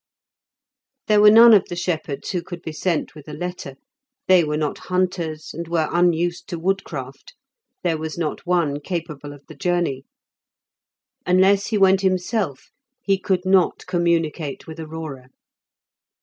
There were none of the shepherds who could be sent with a letter; they were not hunters, and were unused to woodcraft; there was not one capable of the journey. Unless he went himself he could not communicate with Aurora.